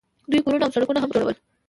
دوی کورونه او سړکونه هم جوړول.